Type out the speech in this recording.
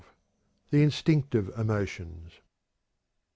The Instinctive Emotions.